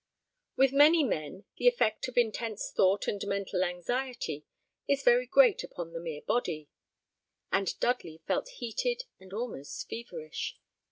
With many men, the effect of intense thought and mental anxiety is very great upon the mere body; and Dudley felt heated and almost feverish.